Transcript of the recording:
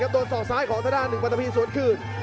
ตัวศอกซ้ายของทะด้านหนึ่งปันทีสวนคืน